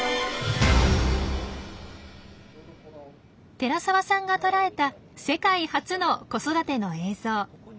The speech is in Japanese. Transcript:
寺沢さんが捉えた世界初の子育ての映像。